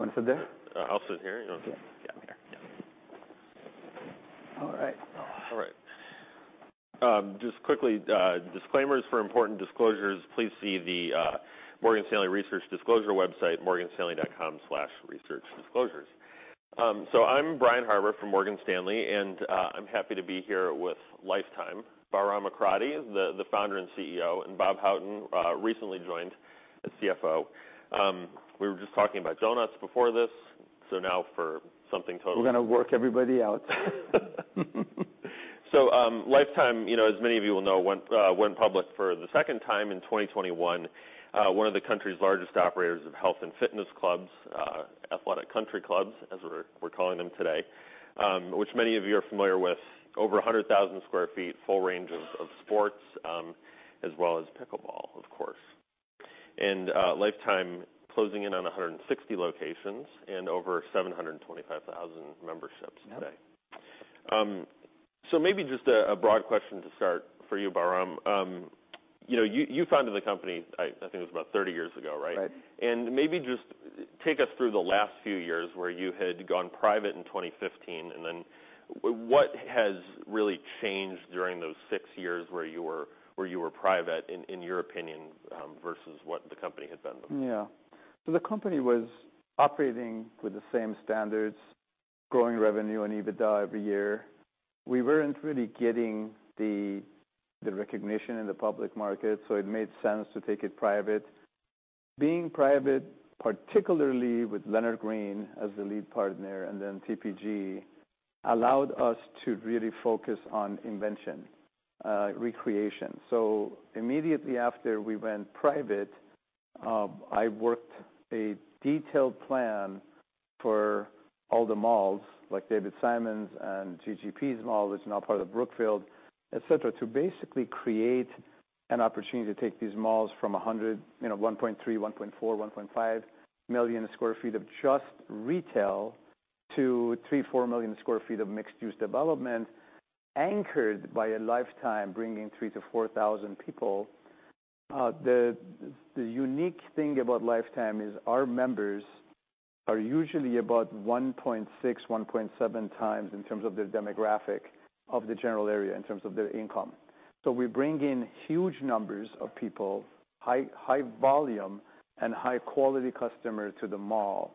Want to sit there? I'll sit here. Yeah. Yeah. All right. All right. Just quickly, disclaimers for important disclosures, please see the Morgan Stanley Research Disclosure website, morganstanley.com/researchdisclosures. I'm Brian Harbour from Morgan Stanley, and I'm happy to be here with Life Time. Bahram Akradi, the founder and CEO, and Bob Houghton, recently joined as CFO. We were just talking about donuts before this, so now for something totally- We're gonna work everybody out. Life Time, you know, as many of you will know, went public for the second time in 2021. One of the country's largest operators of health and fitness clubs, athletic country clubs, as we're calling them today. Which many of you are familiar with, over 100,000 sq ft, full range of sports, as well as pickleball, of course. Life Time closing in on 160 locations and over 725,000 memberships today. Yep. Maybe just a broad question to start for you, Bahram. You know, you founded the company, I think it was about 30 years ago, right? Right. Maybe just take us through the last few years where you had gone private in 2015, and then what has really changed during those six years where you were private, in your opinion, versus what the company had been then? The company was operating with the same standards, growing revenue and EBITDA every year. We weren't really getting the recognition in the public market, it made sense to take it private. Being private, particularly with Leonard Green as the lead partner and then TPG, allowed us to really focus on invention, recreation. Immediately after we went private, I worked a detailed plan for all the malls, like David Simon's and GGP's mall that's now part of Brookfield, et cetera, to basically create an opportunity to take these malls from, you know, 1.3 million, 1.4 million, 1.5 million sq ft of just retail to 3 million-4 million sq ft of mixed-use development anchored by a Life Time bringing 3,000-4,000 people. The unique thing about Life Time is our members are usually about 1.6x, 1.7x in terms of the demographic of the general area, in terms of their income. We bring in huge numbers of people, high volume and high quality customers to the mall.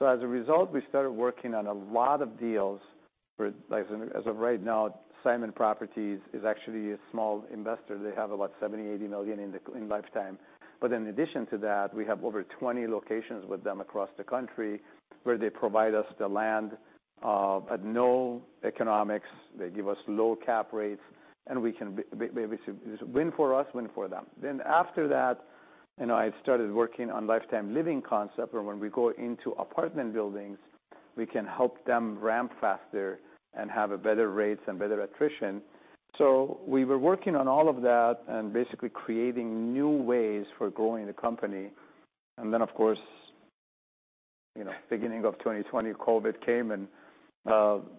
As a result, we started working on a lot of deals. As of right now, Simon Property Group is actually a small investor. They have about $70 million-$80 million in Life Time. In addition to that, we have over 20 locations with them across the country where they provide us the land at no economics. They give us low cap rates. It's a win for us, win for them. After that, you know, I started working on Life Time Living concept, where when we go into apartment buildings, we can help them ramp faster and have a better rates and better attrition. We were working on all of that and basically creating new ways for growing the company. Of course, you know, beginning of 2020, COVID came and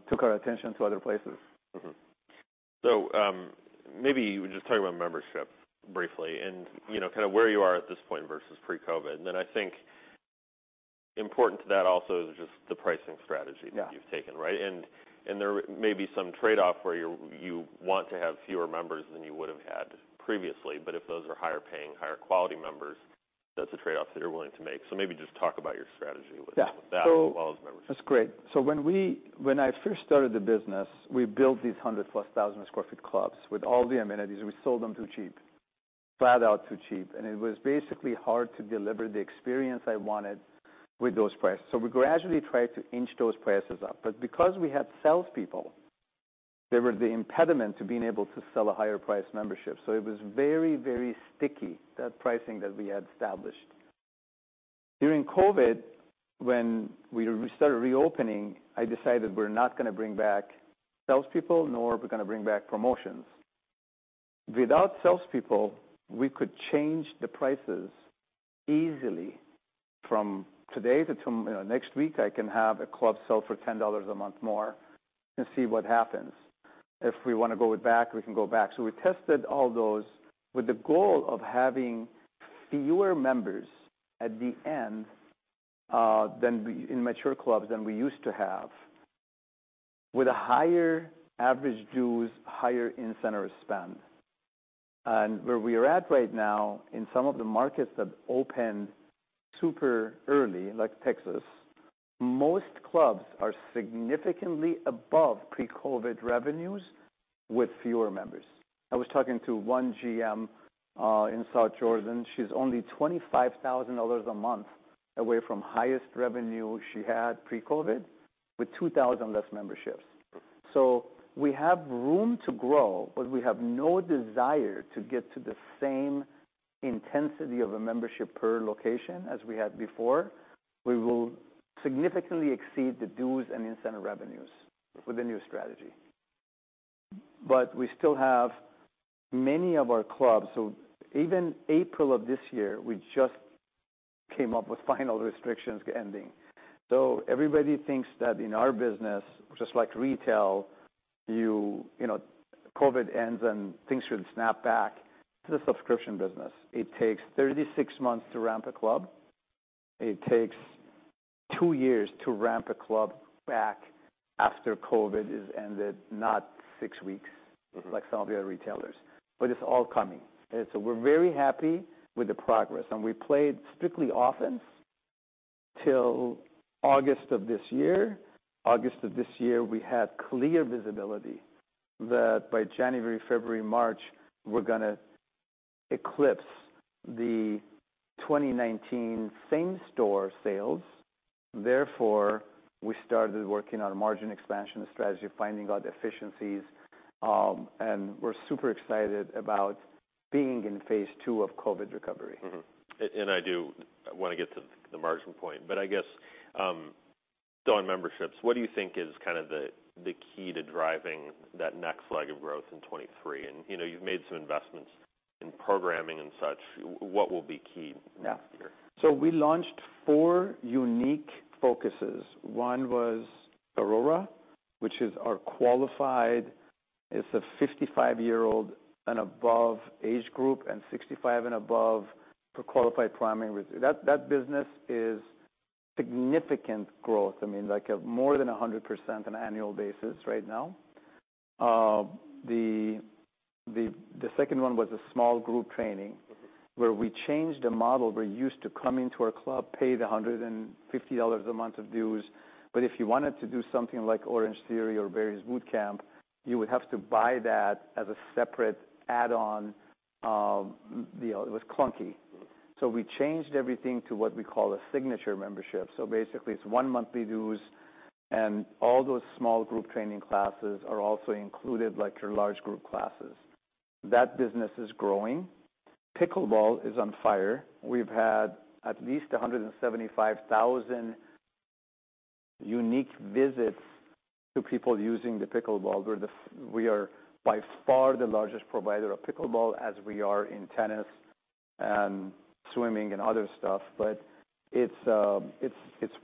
took our attention to other places. Maybe just talk about membership briefly and, you know, kind of where you are at this point versus pre-COVID. I think important to that also is just the pricing strategy. Yeah. That you've taken, right? There may be some trade-off where you want to have fewer members than you would have had previously, but if those are higher-paying, higher-quality members, that's a trade-off that you're willing to make. Maybe just talk about your strategy. Yeah. That as well as membership. That's great. When I first started the business, we built these 100 plus thousand sq ft clubs with all the amenities. We sold them too cheap, flat out too cheap, and it was basically hard to deliver the experience I wanted with those prices. We gradually tried to inch those prices up. Because we had salespeople, they were the impediment to being able to sell a higher priced membership. It was very, very sticky, that pricing that we had established. During COVID, when we started reopening, I decided we're not gonna bring back salespeople, nor are we gonna bring back promotions. Without salespeople, we could change the prices easily from today to you know, next week I can have a club sell for $10 a month more and see what happens. If we wanna go back, we can go back. We tested all those with the goal of having fewer members at the end, than in mature clubs than we used to have, with a higher average dues, higher incentive spend. Where we are at right now in some of the markets that opened super early, like Texas, most clubs are significantly above pre-COVID revenues with fewer members. I was talking to one GM in South Jordan. She's only $25,000 a month away from highest revenue she had pre-COVID with 2,000 less memberships. Mm-hmm. We have room to grow, but we have no desire to get to the same intensity of a membership per location as we had before. We will significantly exceed the dues and incentive revenues with the new strategy. We still have many of our clubs. Even April of this year, we just came up with final restrictions ending. Everybody thinks that in our business, just like retail. You know, COVID ends and things should snap back to the subscription business. It takes 36 months to ramp a club. It takes two years to ramp a club back after COVID is ended, not six weeks. Mm-hmm Like some of the other retailers. It's all coming. We're very happy with the progress, and we played strictly offense till August of this year. August of this year, we had clear visibility that by January, February, March, we're gonna eclipse the 2019 same-store sales. Therefore, we started working on a margin expansion strategy, finding out efficiencies, and we're super excited about being in phase two of COVID recovery. I do wanna get to the margin point. I guess, still on memberships, what do you think is kinda the key to driving that next leg of growth in 2023? You know, you've made some investments in programming and such. What will be key next year? Yeah. We launched four unique focuses. One was ARORA, which is our qualified. It's a 55-year-old and above age group, and 65 and above for qualified primary. That business is significant growth. I mean, like at more than 100% on annual basis right now. The second one was a small group training- Mm-hmm Where we changed the model. Where you used to come into our club, pay the $150 a month of dues, but if you wanted to do something like Orangetheory Fitness or various boot camp, you would have to buy that as a separate add-on. you know, it was clunky. We changed everything to what we call a Signature Membership. Basically it's one monthly dues, and all those small group training classes are also included, like your large group classes. That business is growing. pickleball is on fire. We've had at least 175,000 unique visits to people using the pickleball. We are by far the largest provider of pickleball as we are in tennis and swimming and other stuff. It's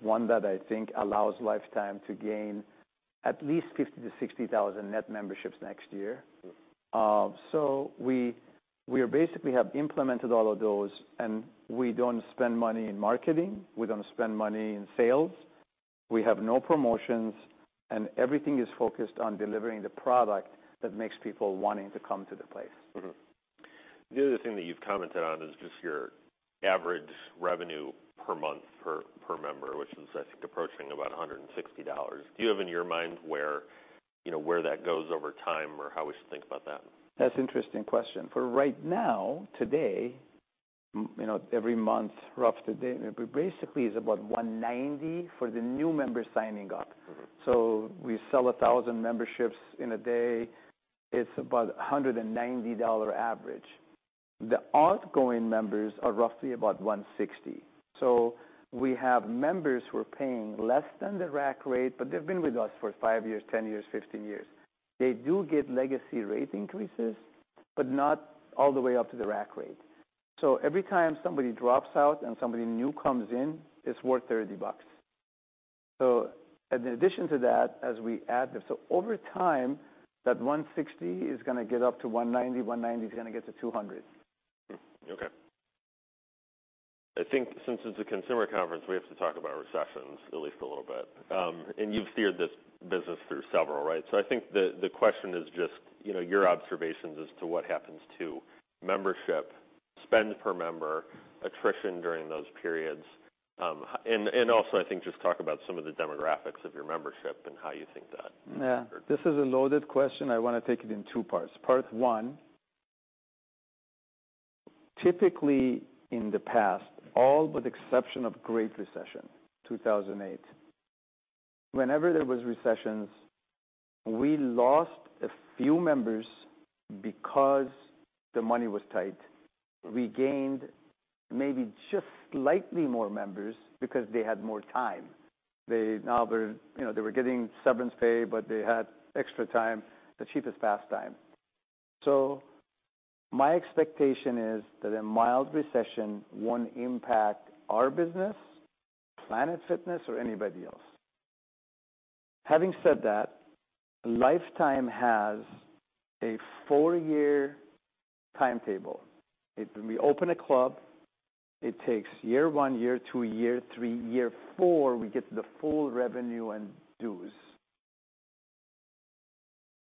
one that I think allows Life Time to gain at least 50,000-60,000 net memberships next year. Mm. We basically have implemented all of those. We don't spend money in marketing, we don't spend money in sales, we have no promotions. Everything is focused on delivering the product that makes people wanting to come to the place. The other thing that you've commented on is just your average revenue per month per member, which is, I think, approaching about $160. Do you have in your mind where, you know, where that goes over time or how we should think about that? That's interesting question. For right now, today, you know, every month roughly, but basically it's about $190 for the new members signing up. Mm-hmm. We sell 1,000 memberships in a day. It's about a $190 average. The outgoing members are roughly about $160. We have members who are paying less than the rack rate, but they've been with us for five years, 10 years, 15 years. They do get legacy rate increases, but not all the way up to the rack rate. Every time somebody drops out and somebody new comes in, it's worth $30. In addition to that, as we add the. Over time, that $160 is gonna get up to $190, $190 is gonna get to $200. Okay. I think since it's a consumer conference, we have to talk about recessions at least a little bit. You've steered this business through several, right? I think the question is just, you know, your observations as to what happens to membership spend per member attrition during those periods. Also I think just talk about some of the demographics of your membership and how you think that Yeah. This is a loaded question. I want to take it in two parts. Part One, typically in the past, all but exception of Great Recession 2008, whenever there was recessions, we lost a few members because the money was tight. We gained maybe just slightly more members because they had more time. They now were, you know, they were getting severance pay, but they had extra time, the cheapest pastime. My expectation is that a mild recession won't impact our business, Planet Fitness or anybody else. Having said that, Life Time has a four-year timetable. When we open a club, it takes year one, year two, year three, year four, we get the full revenue and dues.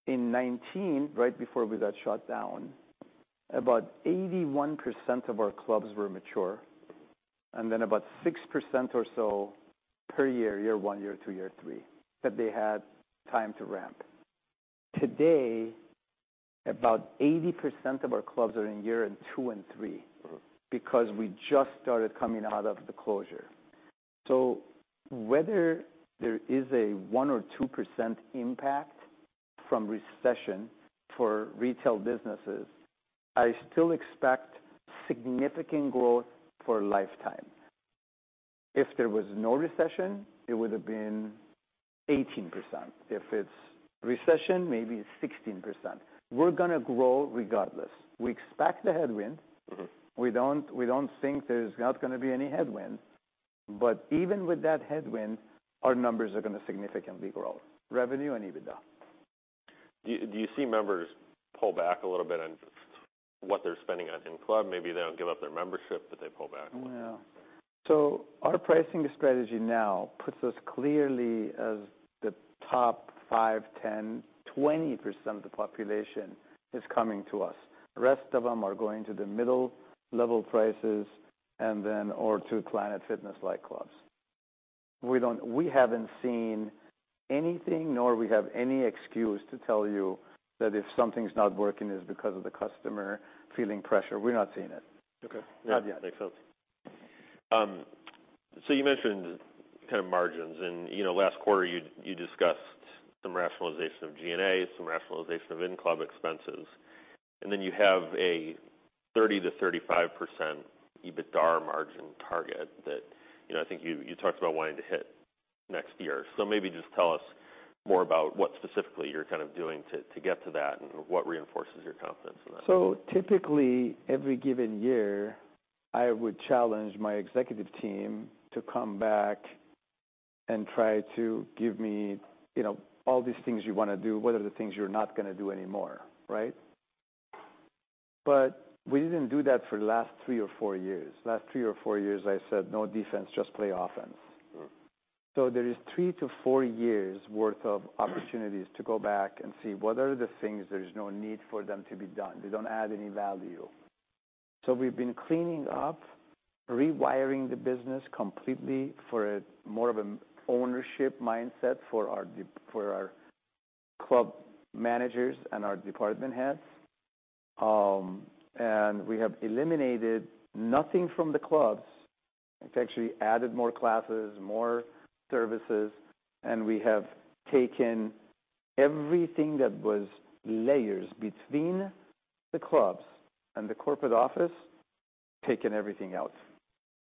In 2019, right before we got shut down, about 81% of our clubs were mature, and then about 6% or so per year one, year two, year three, that they had time to ramp. Today, about 80% of our clubs are in year two and three. Mm We just started coming out of the closure. Whether there is a 1% or 2% impact from recession for retail businesses, I still expect significant growth for Life Time. If there was no recession, it would've been 18%. If it's recession, maybe 16%. We're gonna grow regardless. We expect the headwind. Mm-hmm. We don't think there's not gonna be any headwind. Even with that headwind, our numbers are gonna significantly grow, revenue and EBITDA. Do you see members pull back a little bit on what they're spending on in-club? Maybe they don't give up their membership, but they pull back? Well, our pricing strategy now puts us clearly as the top 5%, 10%, 20% of the population is coming to us. The rest of them are going to the middle-level prices or to Planet Fitness-like clubs. We haven't seen anything, nor we have any excuse to tell you that if something's not working, it's because of the customer feeling pressure. We're not seeing it. Okay. Not yet. Makes sense. You mentioned kind of margins, and, you know, last quarter you discussed some rationalization of G&A, some rationalization of in-club expenses, and then you have a 30%-35% EBITDA margin target that, you know, I think you talked about wanting to hit next year. Maybe just tell us more about what specifically you're kind of doing to get to that and what reinforces your confidence in that. Typically, every given year, I would challenge my executive team to come back and try to give me, you know, all these things you wanna do, what are the things you're not gonna do anymore, right? We didn't do that for the last three or four years. Last three or four years, I said, "No defense, just play offense. Mm-hmm. There is three to four years worth of opportunities to go back and see what are the things there's no need for them to be done. They don't add any value. We've been cleaning up, rewiring the business completely for a more of an ownership mindset for our club managers and our department heads. We have eliminated nothing from the clubs. It's actually added more classes, more services, and we have taken everything that was layers between the clubs and the corporate office, taken everything out.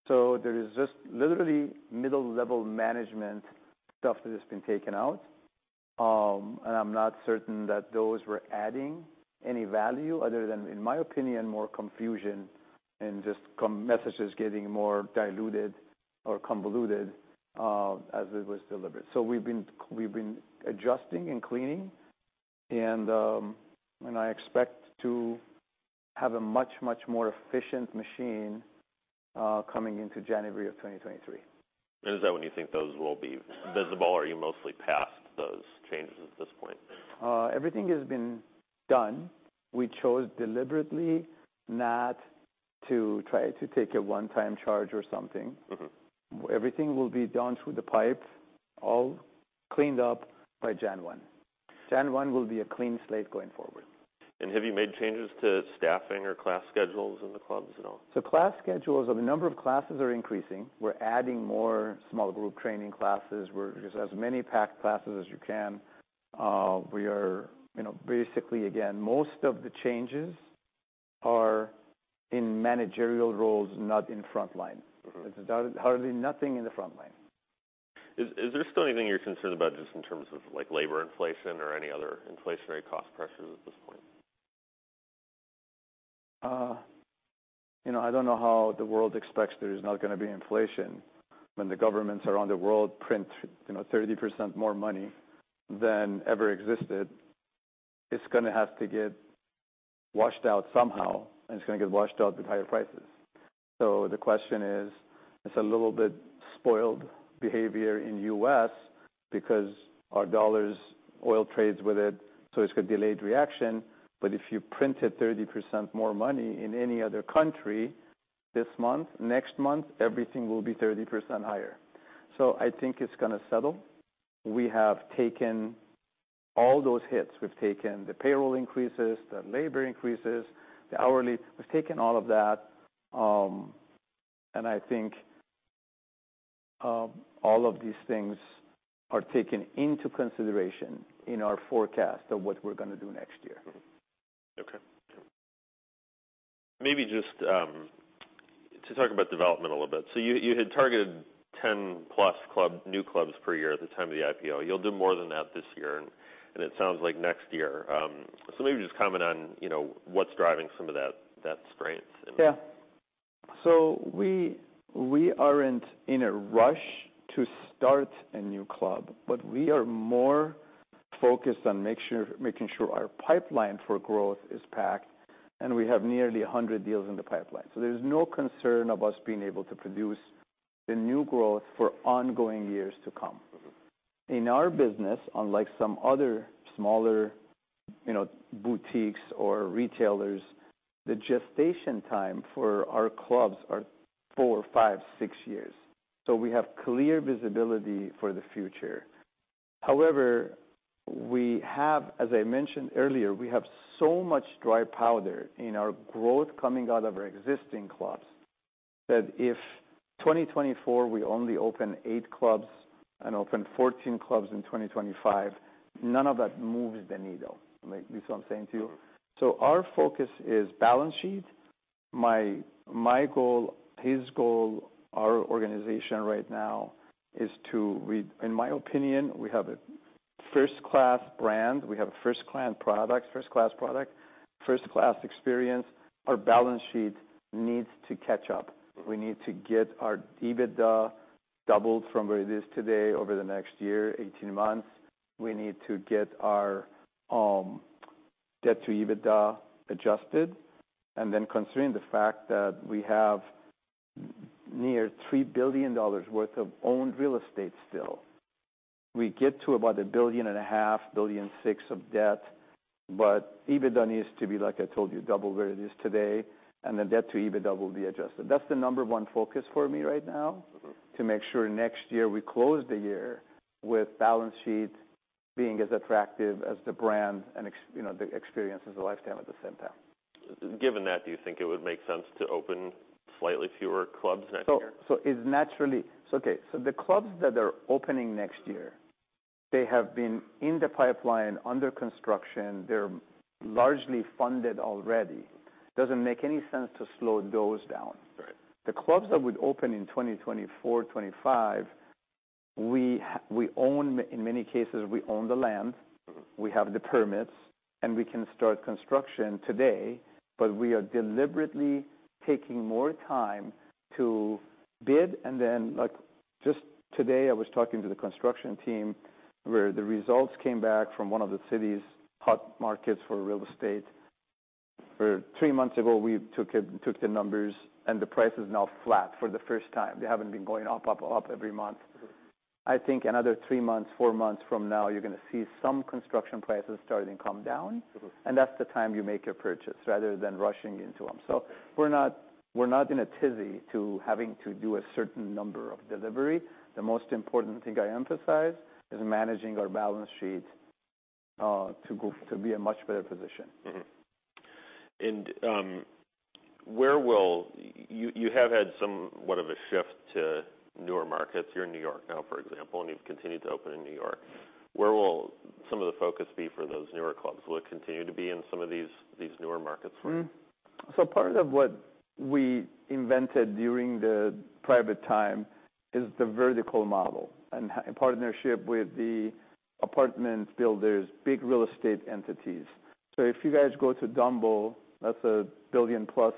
There is just literally middle-level management stuff that has been taken out. I'm not certain that those were adding any value other than, in my opinion, more confusion and just messages getting more diluted or convoluted as it was delivered. We've been adjusting and cleaning and I expect to have a much, much more efficient machine coming into January of 2023. Is that when you think those will be visible, or are you mostly past those changes at this point? Everything has been done. We chose deliberately not to try to take a one-time charge or something. Mm-hmm. Everything will be done through the pipe, all cleaned up by January 1. January 1 will be a clean slate going forward. Have you made changes to staffing or class schedules in the clubs at all? Class schedules, the number of classes are increasing. We're adding more small group training classes. We're just as many packed classes as you can. We are, you know, basically, again, most of the changes are in managerial roles, not in front line. Mm-hmm. It's hardly nothing in the front line. Is there still anything you're concerned about just in terms of, like, labor inflation or any other inflationary cost pressures at this point? You know, I don't know how the world expects there is not gonna be inflation when the governments around the world print, you know, 30% more money than ever existed. It's gonna have to get washed out somehow, and it's gonna get washed out with higher prices. The question is, it's a little bit spoiled behavior in U.S. because our dollars oil trades with it, so it's a delayed reaction. If you printed 30% more money in any other country this month, next month, everything will be 30% higher. I think it's gonna settle. We have taken all those hits. We've taken the payroll increases, the labor increases, the hourly. We've taken all of that, and I think all of these things are taken into consideration in our forecast of what we're gonna do next year. Okay. Maybe just to talk about development a little bit. You had targeted 10 plus club, new clubs per year at the time of the IPO. You'll do more than that this year and it sounds like next year. Maybe just comment on, you know, what's driving some of that strength in. We aren't in a rush to start a new club, but we are more focused on making sure our pipeline for growth is packed, and we have nearly 100 deals in the pipeline. There's no concern of us being able to produce the new growth for ongoing years to come. Mm-hmm. In our business, unlike some other smaller, you know, boutiques or retailers, the gestation time for our clubs are four, five, six years, so we have clear visibility for the future. However, we have, as I mentioned earlier, we have so much dry powder in our growth coming out of our existing clubs, that if 2024 we only open eight clubs and open 14 clubs in 2025, none of that moves the needle. Like, this is what I'm saying to you. Our focus is balance sheet. My goal, his goal, our organization right now is In my opinion, we have a first-class brand. We have a first-class product, first-class experience. Our balance sheet needs to catch up. We need to get our EBITDA doubled from where it is today over the next year, 18 months. We need to get our Debt-to-EBITDA adjusted. Considering the fact that we have near $3 billion worth of owned real estate still, we get to about a billion and a half, $1.6 billion of debt. EBITDA needs to be, like I told you, double where it is today, and the Debt-to-EBITDA will be adjusted. That's the number one focus for me right now, to make sure next year we close the year with balance sheet being as attractive as the brand and you know, the experience as a Life Time at the same time. Given that, do you think it would make sense to open slightly fewer clubs next year? Okay, so the clubs that are opening next year, they have been in the pipeline under construction. They're largely funded already. Doesn't make any sense to slow those down. Right. The clubs that would open in 2024, 2025, we own in many cases, we own the land, we have the permits, and we can start construction today, but we are deliberately taking more time to bid. Like, just today, I was talking to the construction team, where the results came back from one of the city's hot markets for real estate. For three months ago, we took the numbers, and the price is now flat for the first time. They haven't been going up, up every month. I think another three months, four months from now, you're gonna see some construction prices starting to come down. Mm-hmm. That's the time you make your purchase rather than rushing into them. We're not, we're not in a tizzy to having to do a certain number of delivery. The most important thing I emphasize is managing our balance sheet, to be a much better position. You have had somewhat of a shift to newer markets. You're in New York now, for example, and you've continued to open in New York. Where will some of the focus be for those newer clubs? Will it continue to be in some of these newer markets for you? Part of what we invented during the private time is the vertical model and in partnership with the apartment builders, big real estate entities. If you guys go to Dumbo, that's a $1 billion-plus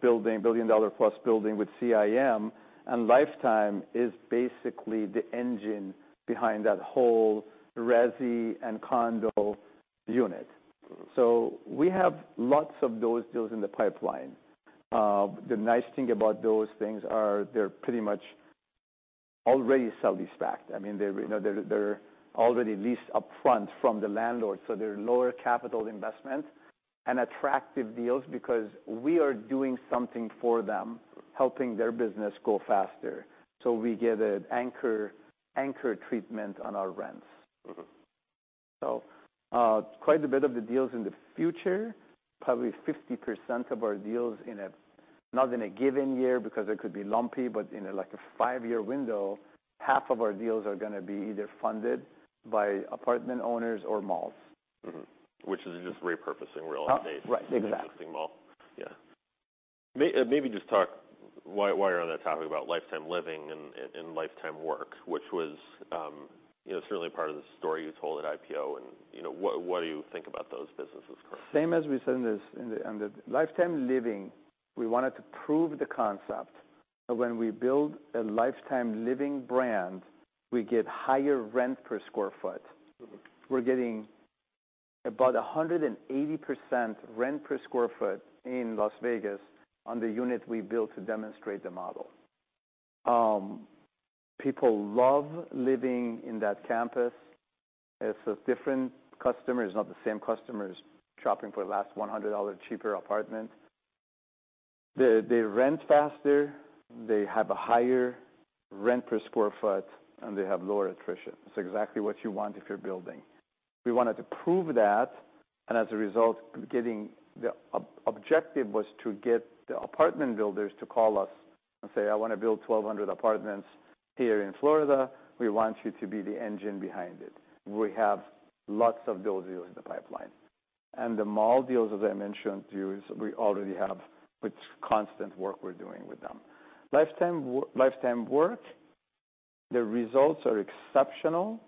building with CIM, and Life Time is basically the engine behind that whole resi and condo unit. We have lots of those deals in the pipeline. The nice thing about those things are they're pretty much already sell these back. I mean, they're, you know, they're already leased upfront from the landlord, so they're lower capital investment and attractive deals because we are doing something for them, helping their business go faster, so we get an anchor treatment on our rents. Mm-hmm. Quite a bit of the deals in the future, probably 50% of our deals not in a given year, because it could be lumpy, but in a, like a five-year window, half of our deals are gonna be either funded by apartment owners or malls. Mm-hmm. Which is just repurposing real estate. Right. Exactly. Existing mall. Yeah. Maybe just talk, while you're on that topic about Life Time Living and Life Time Work, which was, you know, certainly part of the story you told at IPO and, you know, what do you think about those businesses currently? Same as we said in this, in the, on the Life Time Living, we wanted to prove the concept that when we build a Life Time Living brand, we get higher rent per square foot. Mm-hmm. We're getting about 180% rent per square foot in Las Vegas on the unit we built to demonstrate the model. People love living in that campus. It's a different customer. It's not the same customers shopping for the last $100 cheaper apartment. They rent faster, they have a higher rent per square foot, and they have lower attrition. It's exactly what you want if you're building. We wanted to prove that, as a result, getting the objective was to get the apartment builders to call us and say, "I wanna build 1,200 apartments here in Florida. We want you to be the engine behind it." We have lots of those deals in the pipeline. The mall deals, as I mentioned to you, is we already have, with constant work we're doing with them. Life Time Work, the results are exceptional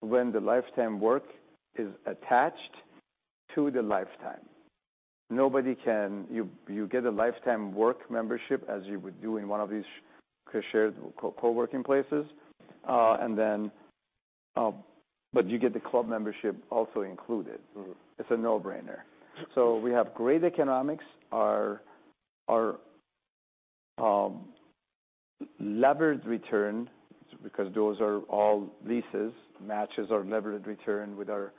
when the Life Time Work is attached to the Life Time. Nobody can. You get a Life Time Work membership as you would do in one of these co-shared co-working places, and then, but you get the club membership also included. Mm-hmm. It's a no-brainer. We have great economics. Our levered return, because those are all leases, matches our levered return with our.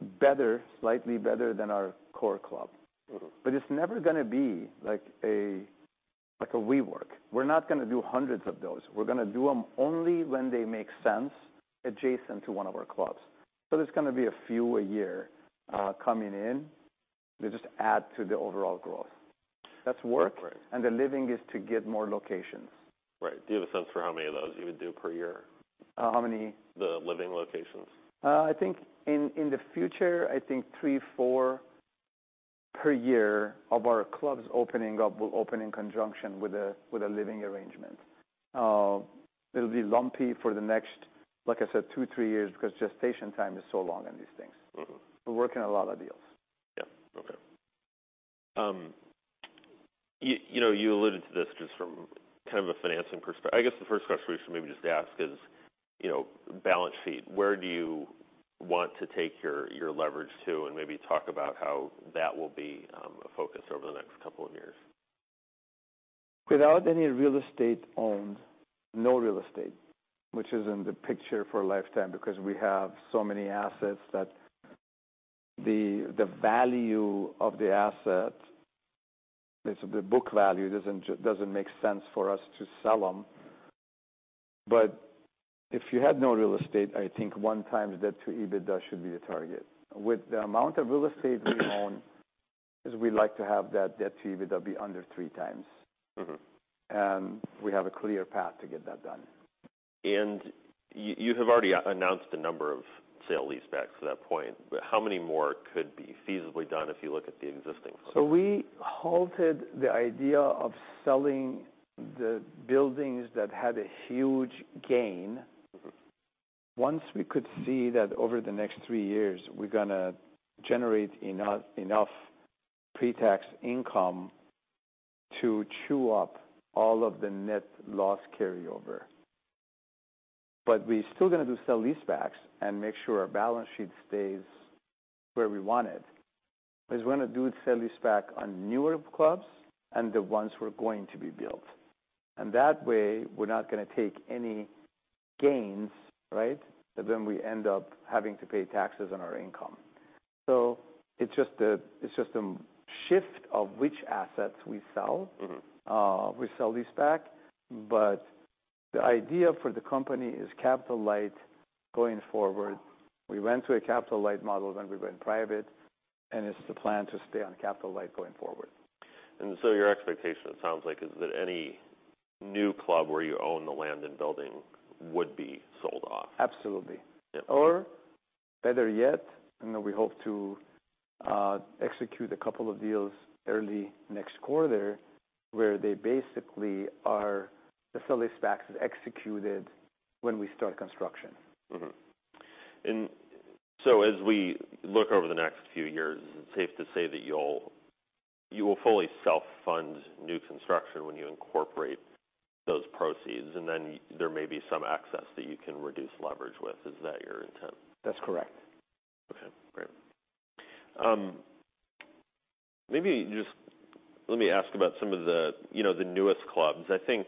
It's better, slightly better than our core club. Mm-hmm. It's never gonna be like a, like a WeWork. We're not gonna do hundreds of those. We're gonna do them only when they make sense adjacent to one of our clubs. There's gonna be a few a year coming in. They just add to the overall growth. That's Work. Right. The Living is to get more locations. Right. Do you have a sense for how many of those you would do per year? How many? The living locations. I think in the future, I think three, four per year of our clubs opening up will open in conjunction with a, with a living arrangement. It'll be lumpy for the next, like I said, two, three years because gestation time is so long on these things. Mm-hmm. We're working a lot of deals. Yeah. Okay. You know, you alluded to this just from kind of a financing. I guess the first question we should maybe just ask is, you know, balance sheet. Where do you want to take your leverage to? Maybe talk about how that will be a focus over the next couple of years. Without any real estate owned, no real estate, which is in the picture for Life Time because we have so many assets that the value of the asset, the book value doesn't make sense for us to sell them. If you had no real estate, I think 1x Debt-to-EBITDA should be the target. With the amount of real estate we own, we like to have that Debt-to-EBITDA be under 3x. Mm-hmm. We have a clear path to get that done. You have already announced a number of sale-leasebacks to that point, but how many more could be feasibly done if you look at the existing plans? We halted the idea of selling the buildings that had a huge gain. Mm-hmm Once we could see that over the next three years, we're gonna generate enough pre-tax income to chew up all of the net loss carryover. We're still gonna do sale-leasebacks and make sure our balance sheet stays where we want it, is we're gonna do sale-leaseback on newer clubs and the ones we're going to be built. That way, we're not gonna take any gains, right, that then we end up having to pay taxes on our income. It's just a shift of which assets we sell. Mm-hmm. We sale-leaseback. The idea for the company is capital light going forward. We went to a capital light model when we went private. It's the plan to stay on capital light going forward. Your expectation, it sounds like, is that any new club where you own the land and building would be sold off? Absolutely. Yeah. Better yet, I know we hope to execute a couple of deals early next quarter, where they basically are the sale-leasebacks is executed when we start construction. As we look over the next few years, is it safe to say that you will fully self-fund new construction when you incorporate those proceeds, and then there may be some access that you can reduce leverage with? Is that your intent? That's correct. Okay. Great. Maybe just let me ask about some of the, you know, the newest clubs. I think,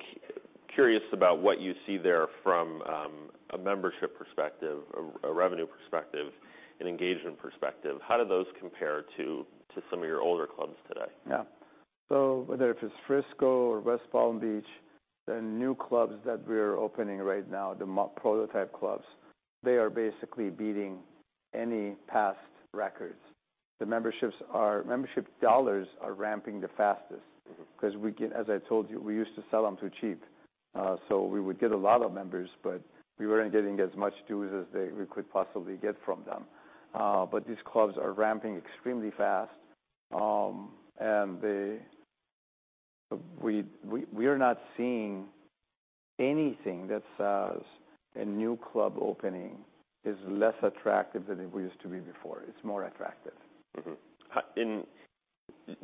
curious about what you see there from a membership perspective, a revenue perspective, an engagement perspective. How do those compare to some of your older clubs today? Yeah. Whether if it's Frisco or West Palm Beach, the new clubs that we're opening right now, the prototype clubs, they are basically beating any past records. The memberships membership dollars are ramping the fastest. Mm-hmm 'Cause we get, as I told you, we used to sell them too cheap. We would get a lot of members, but we weren't getting as much dues as we could possibly get from them. These clubs are ramping extremely fast. We are not seeing anything that says a new club opening is less attractive than it used to be before. It's more attractive. Mm-hmm.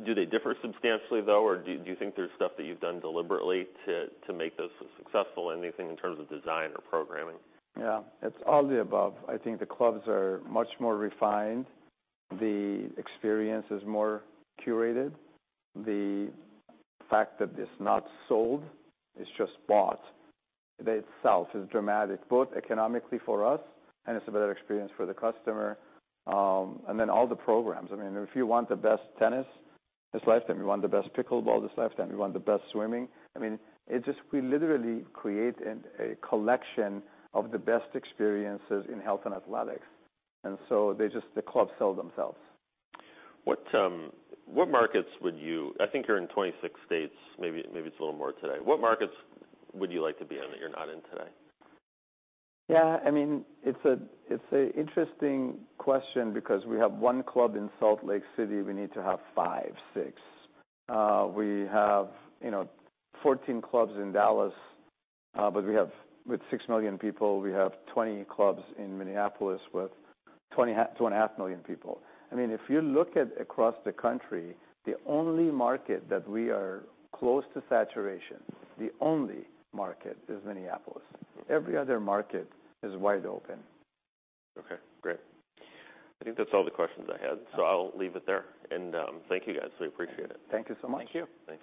Do they differ substantially, though, or do you think there's stuff that you've done deliberately to make those successful? Anything in terms of design or programming? Yeah. It's all the above. I think the clubs are much more refined. The experience is more curated. The fact that it's not sold, it's just bought, that itself is dramatic, both economically for us, and it's a better experience for the customer. And then all the programs. I mean, if you want the best tennis that's Life Time, you want the best pickleball that's Life Time, you want the best swimming, I mean, we literally create a collection of the best experiences in health and athletics. They just, the clubs sell themselves. What markets would you? I think you're in 26 states, maybe it's a little more today. What markets would you like to be in that you're not in today? Yeah. I mean, it's a, it's a interesting question because we have one club in Salt Lake City. We need to have five, six. We have, you know, 14 clubs in Dallas, but we have with 6 million people, we have 20 clubs in Minneapolis with 2.5 million people. I mean, if you look at across the country, the only market that we are close to saturation, the only market is Minneapolis. Every other market is wide open. Okay. Great. I think that's all the questions I had. I'll leave it there. Thank you guys. We appreciate it. Thank you so much. Thank you.